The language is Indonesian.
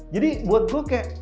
jadi buat gue kayak